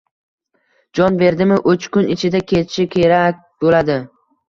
Jon berdimi — uch kun ichida ketishi kerak bo‘ladi.